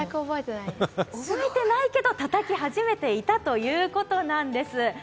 覚えてないけどたたき始めていたということです。